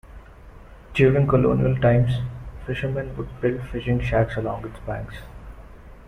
During colonial times, fishermen would build fishing shacks along its banks.